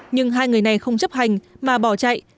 nhưng hai người này không chấp hành mà bỏ chạy